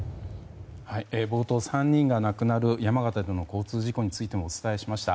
冒頭、３人が亡くなる山形での交通事故についてもお伝えをしました。